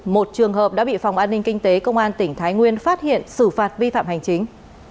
một trường hợp đã bị phòng an ninh kinh tế công an tỉnh thái nguyên phát hiện xử phạt vi phạm hành chính